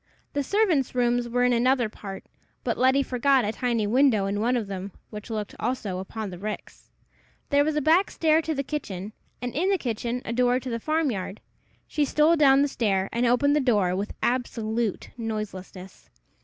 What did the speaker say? The servants' rooms were in another part, but Letty forgot a tiny window in one of them, which looked also upon the ricks. There was a back stair to the kitchen, and in the kitchen a door to the farm yard. She stole down the stair, and opened the door with absolute noiselessness.